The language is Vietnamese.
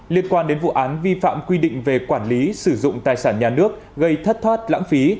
liên quan đến vụ án vi phạm quy định về quản lý sử dụng tài sản nhà nước gây thất thoát lãng phí